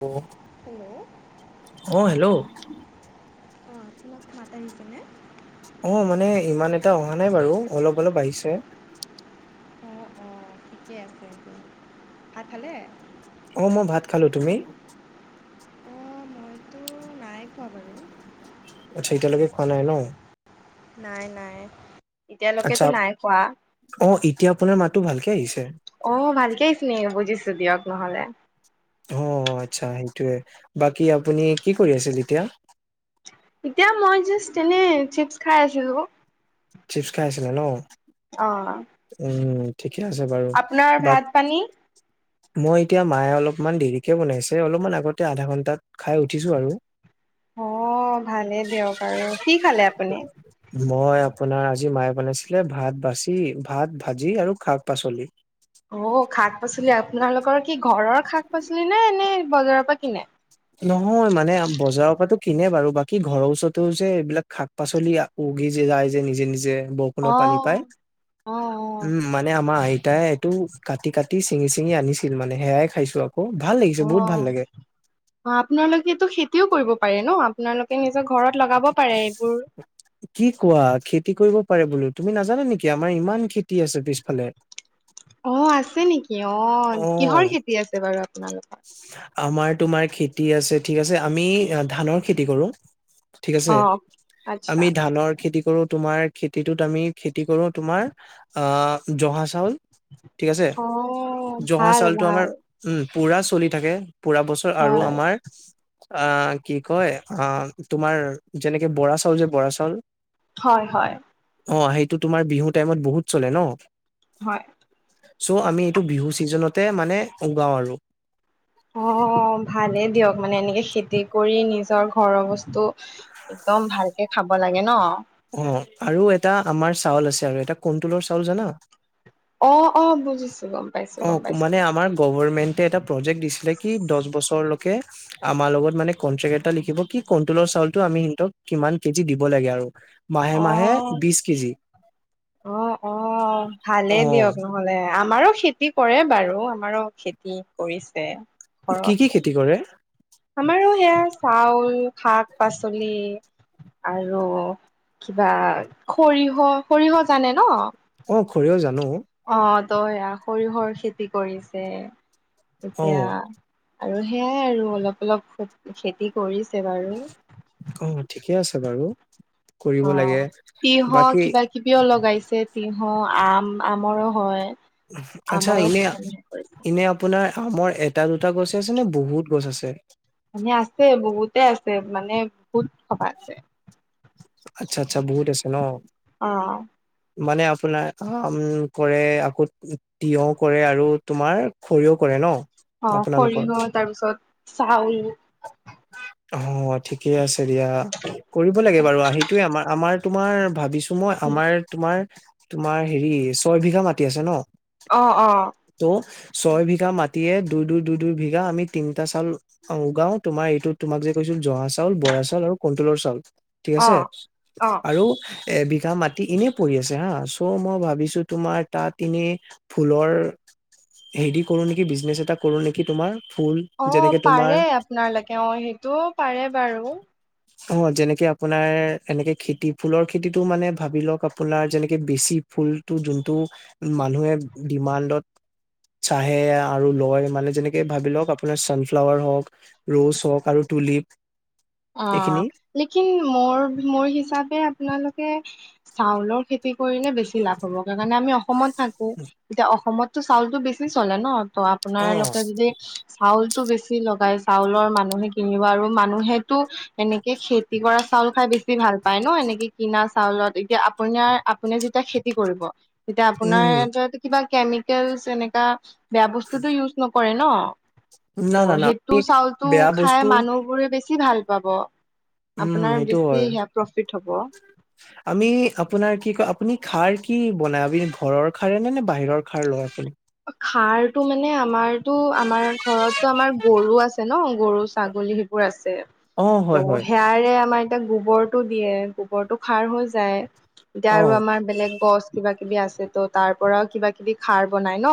অ', hello অ', hello অ', তোমাক ভাত আহিছে নে? অ', মানে ইমান এটা অহা নাই, বাৰু অলপ অলপ আহিছে অ', অ', ঠিকে আছে এইটো ভাত খালে অ', মই ভাত খালো, তুমি? অঁ মইতো নাই কোৱা বাৰু আ্ছ এইেইটালকে খোৱা নাই ন নাই, নাই এতিয়ালৈকেতো আচ্ছা, নাই খোৱা। অ', এতিয়া আপোনাৰ মাতো ভালকে আহিছে অ', ভালকেছিল নে, বুজিছো দিয়ক নহ'লে অ', আচ্ছা, সেইটোয়ে, বাকী আপুনি কি কৰি আছিল এতিয়া? এতিয়া মই, জাষ্ট তেনেই চিপছ খাই আছিলোঁ চিপছ খাই আছিলে ন? অ', উম, ঠিকে আছে বাৰু ভাত বাক পানী? মই, এতিয়া মায়ে অলপমান দেৰিকে বনাইছে অলপমান আগতে আধা ঘন্টাত খাই উঠিছো আৰু অ', ভালেই দিয়ক, আৰু কি খালে আপুনি? মই আপোনাৰ আজি, মায়ে বনাইছিলে ভাত ভাজি, আৰু শাক পাচলি অ', শাক পাচলি আপোনালোকৰ কি ঘৰৰ শাক পাচলি নে এনে বজাৰৰ পৰা কিনে নহয়, মানে, বজাৰৰ পৰা কিনে বাৰু বাকী ঘৰৰ ওৰতও যে এইবিলাক খাক পাচলি যায় যে, নিজে নিজে বৰষুণৰ পানী অঁ পায় অঁ উম মানে, আমাৰ আইতাই এইটো কাটি কাটি চিঙি চিঙি আনিছিল মানে সেয়াই খাইছো আক অ', অ', আপোনালোকেতো খেতিও কৰিব পাৰে ন? আপোনালোকে নিজৰ ঘৰত লগাব পাৰে এইবোৰ কি কোৱা খেতি কৰিব পাৰে, বোলো তুমি নাজানা নেকি, আমাৰ ইমান খেতি আছে পিছফালে অ', আছে নেকি অ, কিহৰ খেতি আছে বাৰু আপোনালোকৰ? আমাৰ, তোমাৰ খেতি আছে ঠিক আছে আমি ধানৰ খেতি কৰো ঠিক, আছে, অ আচ্ছা আমি ধানৰ খেতি কৰো তোমাৰ খেতিটোত আমি, খেতি কৰো তোমাৰ আ জহা চাউল ঠিক আছে, অ জহা ভাল চাউলটো ভাল আমাৰ উম, পুৰা চলি থাকে পুৰা বছৰ আৰু হয় আমাৰ অ', কি কয়, অ', তোমাৰ যেনেকে বৰা চাউল যে বৰা চাউল হয়, হয় অ', সেইটো তোমাৰ বিহু টাইমত বহুত চলে ন হয়, আমি, এইটো বিহু ছিজনতে মানে উগাও আৰু অ', ভালেই দিয়ক মানে এনেকে খেতি কৰি নিজৰ ঘৰৰ বস্তু একদম ভালকে খাব লাগে ন! অ', আৰু এটা আমাৰ চাউল আছে আৰু এটা কণ্টোলৰ চাউল জানা! অ', অ', বুজিছোঁ গম পাইছো গম অ', পাইছো মানে আমাৰ গভৰমেন্টে এটা প্ৰজেক্ট দিছিলে কি দহ বছৰলৈকে আমাৰ লগত মানে কনট্ৰেক এটা লিখিব কি কণ্টোলৰ চাউলটো আমি সিহিতক কিমান কেজি দিব লাগে আৰু। মাহে, মাহে অ বিছ কেজি। অ', অ', অ ভালেই দিয়ক নহ'লে আমাৰো খেতি কৰে বাৰু, আমাৰো খেতি কৰিছে। কি, ঘৰত কি খেতি কৰে? আমাৰো সেয়া চাউল শাক পাচলি। আৰু কিবা খৰিয়হ, খৰিয়হ জানে ন? অ', খৰিয়হ জানো। অ', ত' সেয়া সৰিয়হৰ খেতি কৰিছে, অ এতিয়া আৰু সেয়াই আৰু অলপ, অলপ খে-খেতি কৰিছে বাৰু। অ', ঠিকে আছে বাৰু অ কৰিব লাগে, তিয়হ বাকী কিবা কিবিও লগাইছে, টিহু আম, আমৰো হয়। আচ্ছা আমৰো ইনে, কৰিছে ইনে আপ আপোনাৰ আমৰ এটা দুটা গছে আছে নে, বহুত গছ আছে? মানে আছে বহুতে আছে মানে বহুত সব আছে। আচ্ছা, আচ্ছা বহুত আছে ন! অ'। মানে আপোনাৰ আম কৰে, আকৌ তিয়হ কৰে আৰু তোমাৰ সৰিয়হ কৰে ন! অ', আপোনালোকৰ সৰিয়হ তাৰপিছত চাউল। হ' ঠিকে আছে দিয়া। কৰিব লাগে বাৰু আহি, হেইটোয়ে আমাৰ, আমাৰ তোমাৰ ভাবিছোঁ মই আমাৰ তোমাৰ, তোমাৰ হেৰি ছয়বিঘা মাটি আছে ন। অ', অ'। ত' ছয় বিঘা মাটিয়ে দুই, দুই, দুই, দুই বিঘা আমি তিনিটা চাউল উগাও। তোমাৰ এইটো তোমাক যে কৈছিল জহা চাউল, বৰা চাউল আৰু কন্টোলৰ চাউল। ঠিক অ আছে, অ আৰু এবিঘা মাটি এনে পৰি আছে হা, চ' মই ভাবিছোঁ তোমাৰ তাত এনে ফুলৰ হেৰি কৰোঁ নেকি বিজনেচ এটা কৰোঁ নেকি তোমাৰ ফুল অ', যেনেকে তোমাৰ পাৰে আপোনালোকে অ', সেইটোও পাৰে বাৰু। অ', যেনেকে আপোনাৰ এনেকে খেতি ফুলৰ খেতিটো মানে ভাবি লওঁক আপোনাৰ যেনেকে বেছি ফুলটো যোনটো মানুহে ডিমাণ্ডত চাহে আৰু লয় মানে যেনেকে ভাবি লওঁক আপোনাৰ ছানফ্লাৱাৰ হওঁক ৰৌচ হক আৰু টুলিপ এইখিনি অ'। লেকিন মোৰ, মোৰ হিচাপে আপোনালোকে চাউলৰ খেতি কৰিলে বেছি বেছি লাভ হ'ব, তাৰ কাৰণে আমি অসমত থাকোঁ, এতিয়া অসমতো চাউলতো বেছি চলে ন! ত' আপোনালোকে যদি চাউলতটো বেছি লগাই চাউলৰ মানুহে কিনিব আৰু মানুহে ত' এনেকে খেতি কৰা চাউল খাই বেছি ভালপায় ন, এনেকে কিনা চাউলত এতিয়া আপোনাৰ, আপ আপুনি যেতিয়া খেতি কৰিব তেতিয়া উম আপোনাৰ কিবা কেমিকেলচ এনেকা বেয়া বস্তুটো ইউজ নকৰে ন! ত' না না না সেইটো চাউলটো বেয়া খাই বস্তু মানুহবোৰে বে বছি ভালপাব, উম আপোনাৰ সেইটো বেছি হয় সেয়া প্ৰফিট হ'ব। আমি আপোনাৰ কি কয় আপুনি খাৰ কি বনাই, আপুনি ঘৰৰ খাৰেই নে নে, বাহিৰৰ খাৰ লয় আপুনি? সাৰটো মানে আমাৰতো, আমাৰ ঘৰতো আমাৰ গৰু আছে ন গৰু ছাগলী সেইবোৰ আছে অ হয় হয় ত' সেয়াৰে আমাৰ এতিয়া গোবৰটো দিয়ে গোবৰটো সাৰ হৈ যায় এতিয়া অ আৰু আমাৰ বেলেগ গছ কিবা কিবি আছে ত তাৰ পৰাও কিবা কিবি সাৰ বনাই ন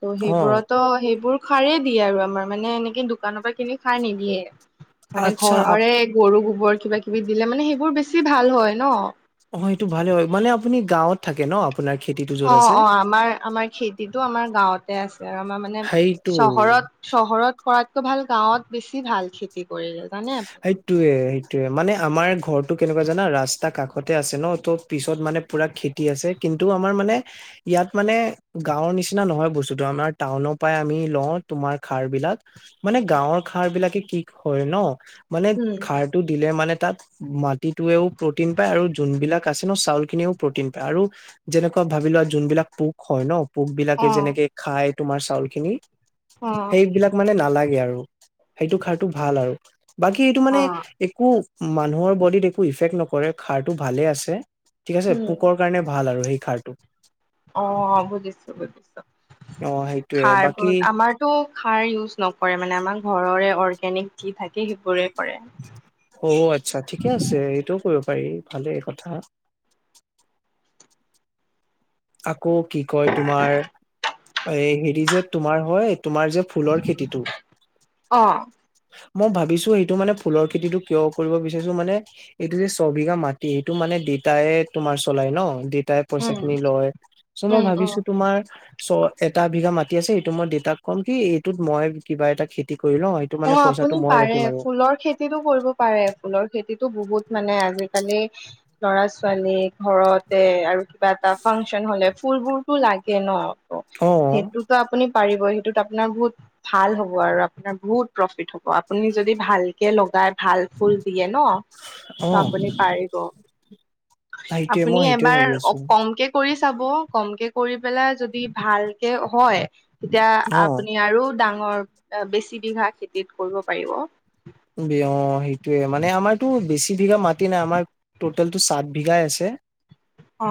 ত' অ সেইবোৰতো সেইবোৰ সাৰে দিয়ে আৰু আমাৰ মানে এনেকে দোকানৰ পৰা কিনি সাৰ নিদিয়ে। মানে আচ্ছা আপ ঘৰৰে গৰু গোবৰ কিবা কিবি দিলে মানে সেইবোৰ বেছি ভাল হয় ন। অ, সেইটো ভালে হয় মানে আপুনি গাঁৱত থাকে ন। আপোনাৰ খেতিটোত অ, অ, আমাৰ আমাৰ খেতিটো আমাৰ গাঁৱতে আছে আৰু আমাৰ মানে সেইটো চহৰত চহৰত কৰাতকৈ ভাল গাঁৱত বেছি ভাল খেতি কৰিলে জানে। সেইটোয়ে সেইটোয়ে মানে আমাৰ ঘৰটো কেনেকুৱা জানা ৰাস্তা কাষতে আছে ন তো পিছত মানে পুৰা খেত তি আছে কিন্তু আমাৰ মানে ইয়াত মানে গাঁওৰ নিচিনা নহয় বস্তুটো আমাৰ টাউনৰ পৰাই আমি লওঁ তোমাৰ সাৰ বিলাক। মানে গাঁৱৰ সাৰ বিলাকে কি হয় ন মানে উম, সাৰটো দিলে মানে তাত মাটিটোৱেও প্ৰটিন পায় আৰু যোনবিলাক আছে ন চাউল খিনিও প্ৰ'টিন পায় আৰু যেনেকুৱা ভাবি লোৱা যোনবিলাক পোক হয় ন, পোক বিলাকে অ', যেনেকে খায় তোমাৰ চাউল খিনি, অ', সেইবিলাক মানে নালাগে আৰু সেইটো খাৰটো ভাল আৰু বাকী এইটো মানে একো মানুহৰ বডিত একো ইফেক্ট নকৰে খাৰ টো ভালে আছে ঠিক আছে পোক উম কাৰণে ভাল আৰু সেই খাৰটো। অ, বুজিছোঁ বুজিছোঁ অ সেইটোয়ে খাৰ বাকী বোৰত আমাৰ টো খাৰ ইউজ নকৰে মানে আমাৰ ঘৰৰে অৰ্গেনিক য থাকে সেইবোৰে কৰে। অ, আচ্ছা ঠিকে আছে এইটোও কৰিব পাৰি ভালে কথা। আকৌ কি কয় তোমাৰ এ হেৰি যে তোমাৰ হয় তোমাৰ যে ফুলৰ খেতিটো, অ, মই ভাবিছো সেইটো মানে ফুলৰ খেতিতটো কিয় কৰিব বিচাৰিছোঁ মানে এইটো যে ছবিঘা মাটি এইটো মানে দেতায়ে তোমাৰ চলাই ন দেতাইে পইচা উম, খিনি লয়, চ' মই উম, উম, ভাবিছো তোমাৰ চ এটা বিঘা মাটি আছে সটো মই দেউতাক ক'ম কি এইটোত মই কিবা এটা খেতি কৰি ল হয় অ, আপুনি পাৰে ফুলৰ খেতি খেতিতো কৰিব পাৰে ফুলৰ খেতিতটো বহুত মানে আজিকালি ল'ৰা ছোৱালী ঘৰতে আৰু কিবা এটা ফাংচন হলে ফুলবোৰতো লাগে ন। অ, সেইটোতো আপুনি পাৰিব সেইটোত আপোনাৰ বহুত ভাল হ'ব আৰু আপোনাৰ বহুত প্ৰফিত হ'ব আপুনি যদি ভালকে লগাই ভাল ফুল দিয়ে ন, অ ত' আপুনি পাৰিব। সেইটোয়ে আপুনি মই সেইটোয়ে এবাৰ ভাবি আছো কমকে কৰি চাব কমকে কৰি পেলাই যদি ভালকে হয়, তেতিয়া অ আপুনি আৰু ডাঙৰ বেছি বিঘা খেতিত কৰিব পাৰিব। বি অ, সেইটোয়ে মানে আমাৰতো বেছি বিঘা মাি নাই আমাৰ টটেলটো চাত বিঘাই আছে। অ,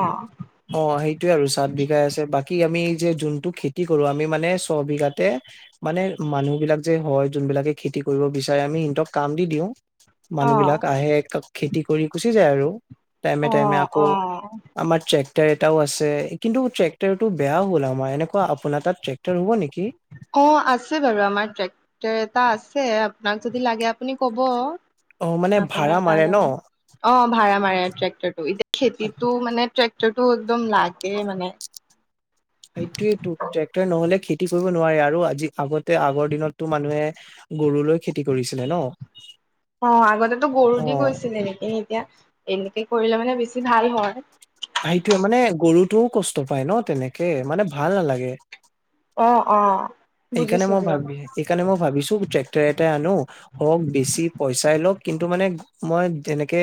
অ, সেইটোয়ে আৰু চাত বিঘাই আছে বাকী আমি যে যোনটো খেতি কৰো আমি মানে ছ বিঘাতে, মানে মানুহ বিলাক যে হয় যোনবিলাকে খেতি কৰিব বিচাৰে আমি সিহতক কাম দি দিও। মানুহ অ', বিলাক আহে খেতি কৰি গুচি যায় আৰু। টাইমে টাইমে অ', আকৌ অ', আমাৰ ট্ৰেক ট এটাও আছে কিন্তু ট্ৰেক্টৰটো বেয়া হ'ল আমাৰ এনেকুৱা আপোনাৰ তাত ট্ৰেক্টাৰ হ'ব নেকি? অ, আছে বাৰু আমাৰ ট্ৰেক্টৰ এটা আছে আপোনাক যদি লাগে আপুনি ক'ব। অ, মানে আপোনাৰ ভাড়া মাৰে তালৈ ন? মানে অ, ভাড়া মাৰে ট্ৰেক্টৰটো এতিয়া খেতিতটো মানে ট্ৰেক্টৰটো একদম লাগে মানে। [inaudible] সেইটোোৱেইটো ট্ৰেক্টৰ নহলে খেতি কৰিব নোৱাৰে আৰু আজি আগতে আগৰ দিনততো মানুহে গৰুলৈ খেতি কৰিছিলে ন'? অ' আগতেো গৰু দি অ গৈছিল এ নেকি এতিয়া এনেকে কৰিলে মানে বেছি ভাল হয়। সেইটয়ে মানে গৰুটোও কষ্ট পায় ন তেনেকে মানে ভাল নালাগে। অ', অ'। সেইকাৰণে বুজিছো মই দিয়ক ভাবি এইেইণে মই ভাবিছো ট্ৰেক্টাৰ এটাই আনো হওক বেছি পইচাই লওক কিন্তু মানে মই যেনেকে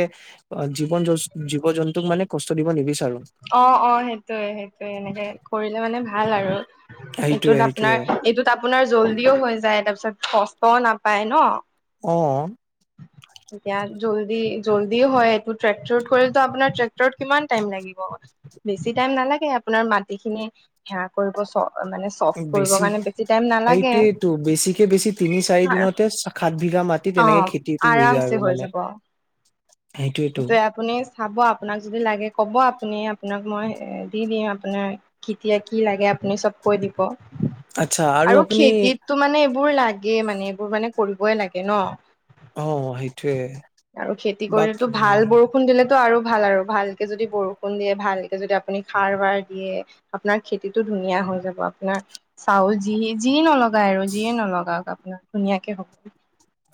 অ' জীৱন জন্ত জীৱ জন্তুক মানে কষ্ট দিব নিবিচাৰো। অ', অ' সেইটোয়ে সেইটোয়ে এনেকে কৰিলে মানে ভাল আৰু। সেইটোয়ে এইটোত সেইটোয়ে আপোনাৰ এইটোত আপোনাৰ জল্দিও হৈ যায় তাৰপিছত কষ্টও নাপায় ন'। অ'। উ এতিয়া জলদি জল্দি হয় এইটো ট্ৰেক্ কৰিলে আপোনাৰ ট্ৰেক্টৰত কিমান টাইম লাগিব। বেছি টাইম নালাগে আপোনাৰ মাটি খিনি সেৱা কৰিব চ মানে। চফ্ট কৰিবৰ বেছি কাৰণে টাইম নালাগে। সেইটোয়েইটো বেছিকে বেছি তিনি চাৰি দিনতে সাত বিঘা মাত মাটিত অ তেনেকে খেতিটো হৈ যায় আৰামছে আৰু মানে যাব। সেইটোয়েটো। সেইটোৱে আপুনি চাব আপোনাক যদি লাগে ক'ব আপুনি আপোনাক মই দি দিম আপোনাৰ কেতিয়া কি লাগে আপুনি চব কৈ দিব। আচ্ছা আৰু আপুনি খেতিতো মানে এইবোৰ লাগে মানে এইবোৰ মানে কৰিবই লাগে ন। অ সেইটোয়ে আৰু খেতি কৰিলেটো ভাল বাকী বৰষুণ। বৰষুণ দিলেতো আৰু ভাল আৰু ভালকৈ যদি বৰষুণ দিয়ে ভালকৈ যদি আপুনি খাৰ বাৰ দিয়ে। আপোনাৰ খেতিটো ধুনীয়া হৈ যাব আপোনাৰ চাউল যি যি নল‌ওক। লগাই আৰু যিয়ে নলগাওক আপোনাৰ ধুনীয়াকে হ'ব।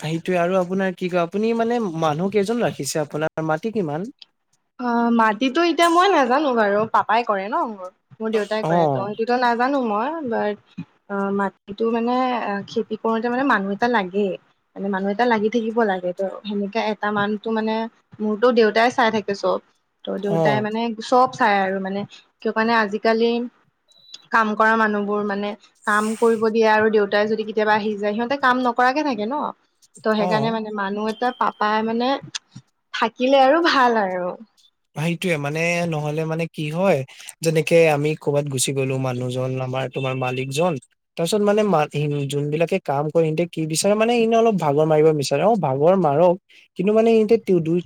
সেইটোৱে আৰু আপোনাৰ কি কয় আপুনি মানে মানুহ কেইজন ৰাখিছে আপোনাৰ মাটি কিমান? অ' মাটিতো এতিয়া মই নাজানো বাৰু পাপাই কৰে ন। মোৰ দেউতাই কৰে ত অ', সেইটোতো নাজানো মই বাট অ' মাটিটো মানে অ খেতি কৰোতে মানে মানুহ এটা লাগেই। মানে মানুহ এটা লাগি থাকিব লাগে ত সেনেকা এটা মানটো মানে মোৰতো দেউতাই চাই থাকে। চ'ব ত দেউতাই অ', মানে চব চাই আৰু মানে কাৰণে আজিকালি কাম কৰা মানুহবোৰ মানে কাম কৰিব দিয়ে আৰু দেউতাই যদি কেতিয়াবা আহি যায় সিহঁতে কাম নকৰাকে থাকে ন। ত' সেইকাৰণে অ', মানে মানুহ এটা পাপাই মানে থাকিলে আৰু ভাল আৰু। সেইটোয়ে মানে নহলে মানে কি হয় যেনেকে আমি ক'বাত গুচি গ'লো মানুহজন আমাৰ তোমাৰ মালিক জন তাৰপিছত মানে যোন বিলাকে কাম কৰে সিহঁতে কি বিচাৰে মানে এনে অলপ ভাগৰ মাৰিব বিছাৰে। ভাগৰ মাৰক কিন্তু মানে এ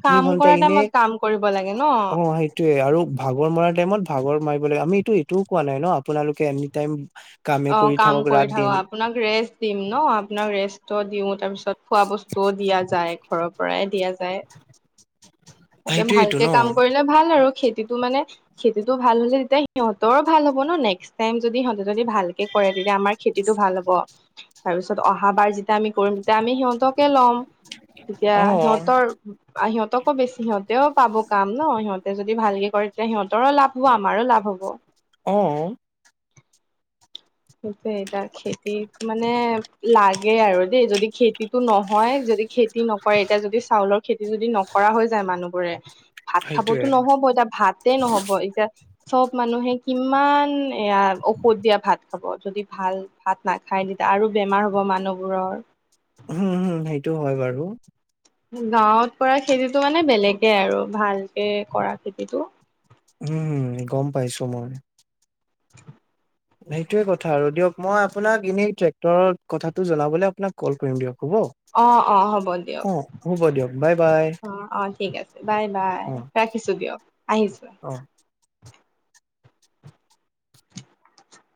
কাম কৰা টাইমত কাম কৰিব লাগে ন। অ সেইটোয়ে আৰু ভাগৰ মৰা টাইমত ভাগৰ মাৰিব লাগে আমি এইটো এইটোও কোৱা নাই ন আপোনালোকে এনি টাইম কামে অ' কৰি কাম ৰাত কৰি দিন থাকক আপোনাক ৰেষ্ট দিম ন আপোনাক ৰেষ্টো দিও তাৰ পিছত খোৱা বস্তুও দিয়া যায় ঘৰৰ পৰাই দিয়া যায়। তাতে সেইটোয়েইটো ভালকে ন কাম কৰিলে ভাল আৰু খেতিটো মানে খেতিটো ভাল হ'লে তেতিয়া সিহঁতৰো ভাল হ'ব ন নেক্স টাইম যদি সিহঁতে যদি ভালকে কৰে তেতিয়া আমাৰ খেতিটো ভাল হ'ব তাৰপিছত অহা বাৰ যেতিয়া আমি কৰিম তেতিয়া আমি সিহঁতকে ল'ম। তেতিয়া অ', সিহঁতৰ সিহঁতক আকৌ বেছি সিহঁতেও পাব কাম ন সিহঁতে যদি ভালকে কৰে তেতিয়া সিহঁতৰো লাভ হ'ব আমাৰো লাভ হ'ব। অ'। সেই এতিয়া খেতি মানে লাগে আৰু দেই যদি খেতি খেতিটো নহয় যদি খেতি নকৰে এতিয়া যদি চাউলৰ খেতি যদি নকৰা হৈ যায় মানুহবোৰে ভাত খাবতো সেইটোয়ে নহব এতিয়া ভাত নহব এতিয়া চ'ব মানুহে কিমান এয়া ঔষধ দিয়া ভাত খাব যদি ভাল ভাত নাখায় তেতিয়া আৰু বেমাৰ হ'ব মানুহবোৰৰ। হুম হুম, সেইটোও হয় বাৰু। গাঁৱত কৰা খেতিটো মানে বেলেগে আৰু ভালকে কৰা খেতিটো। উম, গম পাইছোঁ মই। সেইটোৱে কথা আৰু দিয়ক মই আপোনাক এনেই ট্ৰেক্টৰৰ কথাটো জনাবলে আপোনাক কল কৰিম দিয়ক হ'ব। অ', অ' হ'ব দিয়ক। অ হ'ব দিয়ক বাই বাই অ' ঠিক আছে, বাই বাই। অ ৰাখিছোঁ দিয়ক, আহিছোঁ। অ